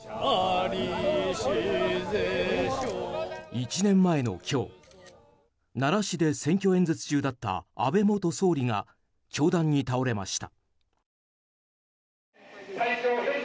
１年前の今日、奈良市で選挙演説中だった安倍元総理が凶弾に倒れました。